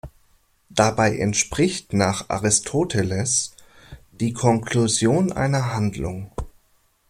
Dabei entspricht nach Aristoteles die Konklusion einer Handlung.